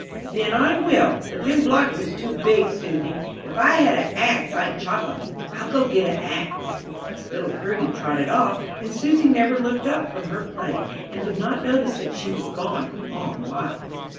"Then I will; but them blocks is too big, Susy. If I had a axe I'd chop 'em: I'll go get a axe." Little Prudy trotted off, and Susy never looked up from her play, and did not notice that she was gone a long while.